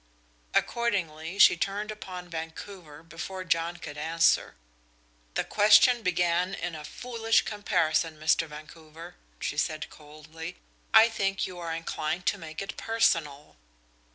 Accordingly she turned upon Vancouver before John could answer. "The question began in a foolish comparison, Mr. Vancouver," she said coldly. "I think you are inclined to make it personal?"